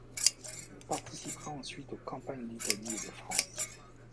Il participa ensuite aux campagnes d’Italie et de France.